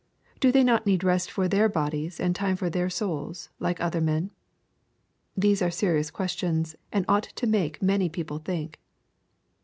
Do they not need rest for their bodies and time for their souls, like other men ?— These are serious questions, and ought to make many people think.